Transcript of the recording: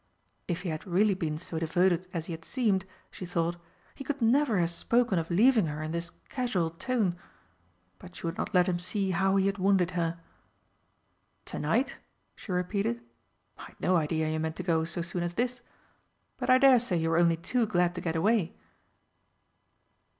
If he had really been so devoted as he had seemed, she thought, he could never have spoken of leaving her in this casual tone but she would not let him see how he had wounded her. "To night," she repeated, "I'd no idea you meant to go so soon as this. But I dare say you are only too glad to get away."